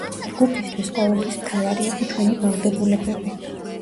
ჯგუფისთვის ყოველთვის მთავარი იყო ჩვენი ვალდებულებები.